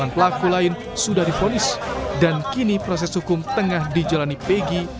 sembilan pelaku lain sudah difonis dan kini proses hukum tengah dijalani peggy